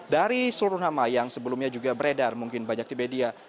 dari seluruh nama yang sebelumnya juga beredar mungkin banyak di media